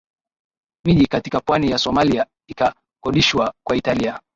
Miji katika pwani ya Somalia ikakodishwa kwa Italia